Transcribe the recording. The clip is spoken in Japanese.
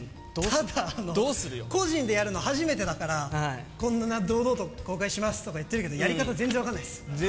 ただ、個人でやるの初めてだから、こんな堂々と公開しますとか言ってるけど、全然分かんない。